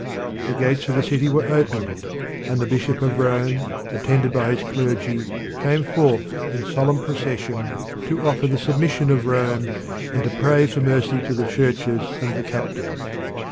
The gates of the city were opened, and the bishop of Rome, attended by his clergy, came forth in solemn procession to offer the submission of Rome, and to pray for mercy to the churches and their captives.